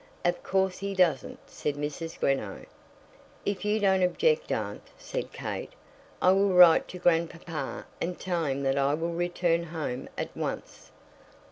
"Of course he doesn't," said Mrs. Greenow. "If you don't object, aunt," said Kate, "I will write to grandpapa and tell him that I will return home at once."